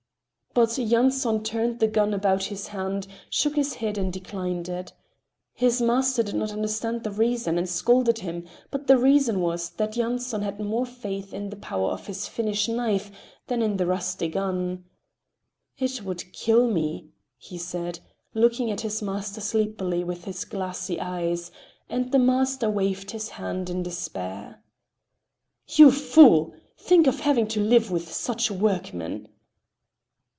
But Yanson turned the gun about in his hand, shook his head and declined it. His master did not understand the reason and scolded him, but the reason was that Yanson had more faith in the power of his Finnish knife than in the rusty gun. "It would kill me," he said, looking at his master sleepily with his glassy eyes, and the master waved his hand in despair. "You fool! Think of having to live with such workmen!"